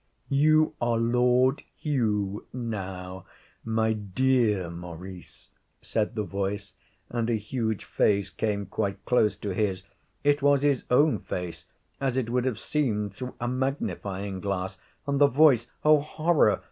'You are Lord Hugh now, my dear Maurice,' said the voice, and a huge face came quite close to his. It was his own face, as it would have seemed through a magnifying glass. And the voice oh, horror!